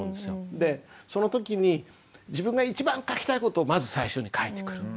でその時に自分が一番書きたい事をまず最初に書いてくる。